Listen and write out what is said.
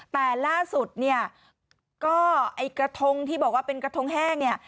แต่ล่าสุดเนี่ยก็ไอ้กระทงที่บอกว่าเป็นกระทงแห้งเนี่ย